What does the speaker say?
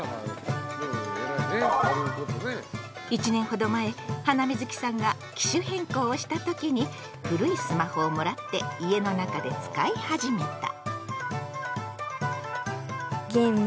１年ほど前ハナミズキさんが機種変更をした時に古いスマホをもらって家の中で使い始めた。